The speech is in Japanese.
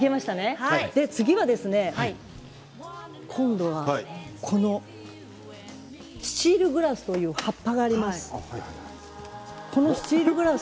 今度はこのスチールグラスという葉っぱがあります。